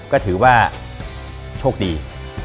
ก็ถือว่าโชคดี